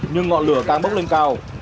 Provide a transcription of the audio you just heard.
nhưng ngọn lửa càng bốc lên cao